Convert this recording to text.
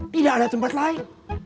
tidak ada tempat lain